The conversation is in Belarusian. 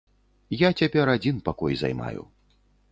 Я цяпер адзін пакой займаю.